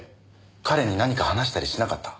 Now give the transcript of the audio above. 彼に何か話したりしなかった？